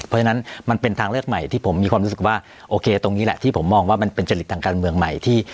เพราะฉะนั้นมันเป็นทางเลือกใหม่ที่ผมมีความรู้สึกว่าโอเคตรงนี้แหละที่ผมมองว่ามันเป็นจริตทางการเมืองใหม่ที่